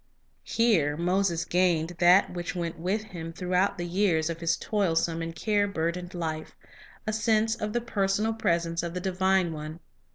Here Moses gained that which went with him throughout the years of his toilsome and care burdened life, — a sense of the personal presence of the Divine One.